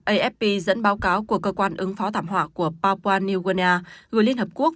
ngày hai mươi bảy tháng năm afp dẫn báo cáo của cơ quan ứng phó thảm họa của papua new guinea gửi liên hợp quốc